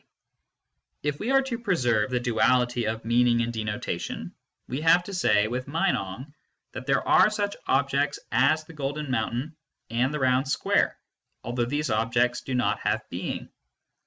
KNOWLEDGE BY ACQUAINTANCE 225 If we are to preserve the duality of meaning a^id denota tion, we have to say, with Meinong, that there are such objects as the golden mountain and the round square, although these objects do not have being.